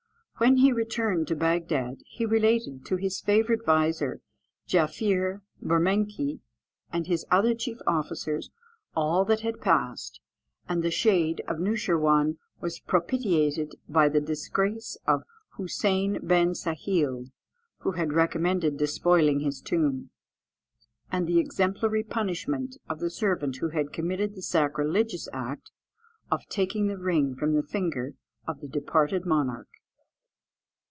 When he returned to Bagdad, he related to his favourite vizier, Jaffier Bermekee, and his other chief officers, all that had passed; and the shade of Noosheerwân was propitiated by the disgrace of Hoosein ben Sâhil (who had recommended despoiling his tomb), and the exemplary punishment of the servant who had committed the sacrilegious act of taking the ring from the finger of the departed monarch.